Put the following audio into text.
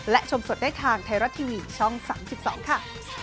และชมสดได้ทางไทยรัฐทีวีช่อง๓๒ค่ะ